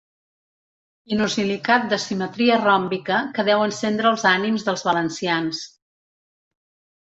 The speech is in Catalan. Inosilicat de simetria ròmbica que deu encendre els ànims dels valencians.